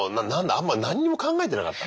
あんま何にも考えてなかったね。